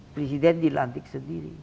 presiden dilantik sendiri